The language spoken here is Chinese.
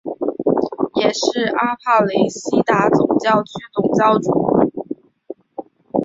也是阿帕雷西达总教区总主教。